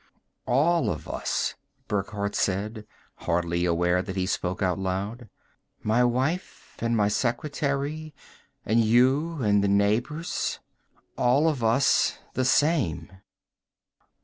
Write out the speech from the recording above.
"All of us," Burckhardt said, hardly aware that he spoke out loud. "My wife and my secretary and you and the neighbors. All of us the same."